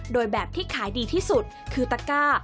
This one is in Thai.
โดยแบบที่ขายดีที่สุดคือตะก้า